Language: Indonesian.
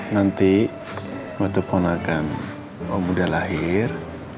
nanti waktu ponakan om udah lahir